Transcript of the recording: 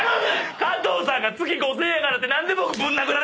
加藤さんが月５，０００円やからって何でぶん殴られなあ